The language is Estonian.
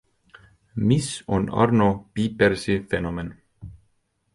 Mis on Arno Pijpersi fenomen?